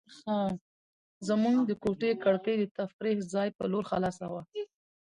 زموږ د کوټې کړکۍ د تفریح ځای په لور خلاصه وه.